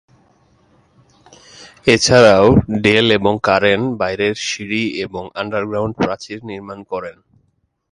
এছাড়াও ডেল এবং কারেন বাইরের সিঁড়ি এবং আন্ডারগ্রাউন্ড প্রাচীর নির্মাণ করেন।